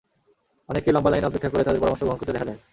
অনেককেই লম্বা লাইনে অপেক্ষা করে তাঁদের পরামর্শ গ্রহণ করতে দেখা যায়।